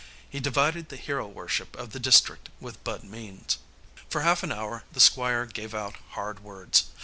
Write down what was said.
He divided the hero worship of the district with Bud Means. For half an hour the Squire gave out hard words.